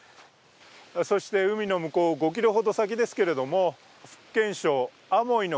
そして、海の向こう５ｋｍほど先ですけれども、福建省アモイの